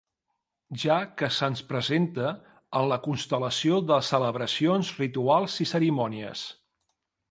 Ja que se’ns presenta en la constel·lació de celebracions, rituals i cerimònies.